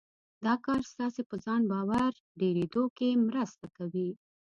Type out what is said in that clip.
دا کار ستاسې په ځان باور ډېرېدو کې مرسته کوي.